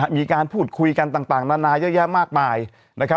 มีการพูดคุยกันต่างนานาเยอะแยะมากมาย